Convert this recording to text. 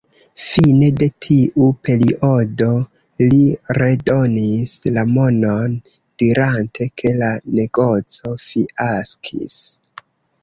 Fine de tiu periodo, li redonis la monon, dirante ke la negoco fiaskis.